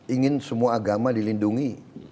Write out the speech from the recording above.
ingin semua agama dilindungi